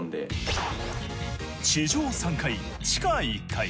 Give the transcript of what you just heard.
地上３階地下１階。